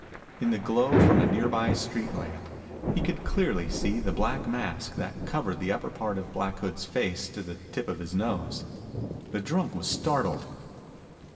In the glow from a nearby street lamp he could clearly see the black mask that covered the upper part of Black Hood's face to the tip of his nose. The drunk was startled.